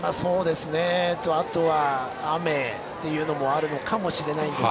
あとは雨もあるのかもしれませんが。